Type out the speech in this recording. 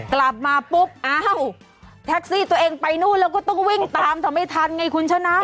กลับมาปุ๊บอ้าวแท็กซี่ตัวเองไปนู่นแล้วก็ต้องวิ่งตามแต่ไม่ทันไงคุณชนะ